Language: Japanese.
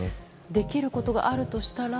できることがあるとしたら。